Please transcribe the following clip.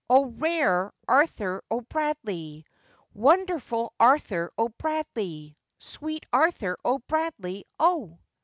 O! rare Arthur O'Bradley! wonderful Arthur O'Bradley! Sweet Arthur O'Bradley, O!